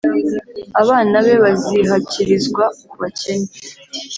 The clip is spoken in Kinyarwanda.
abana be bazihakirizwa ku bakene,